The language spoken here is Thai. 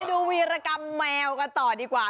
ดูวีรกรรมแมวกันต่อดีกว่า